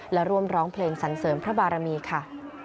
และร่วมร้องเพลงสันเสริมพระบารมีค่ะ